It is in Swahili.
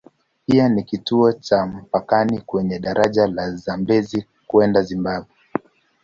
Pia ni kituo cha mpakani kwenye daraja la Zambezi kwenda Zimbabwe.